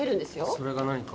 それが何か？